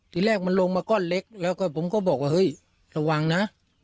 ทีแรกมันลงมาก้อนเล็กแล้วก็ผมก็บอกว่าเฮ้ยระวังนะ